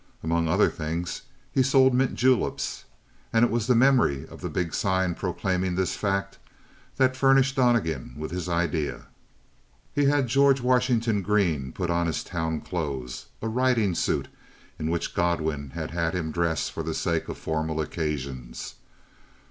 Among other things, he sold mint juleps; and it was the memory of the big sign proclaiming this fact that furnished Donnegan with his idea. He had George Washington Green put on his town clothes a riding suit in which Godwin had had him dress for the sake of formal occasions.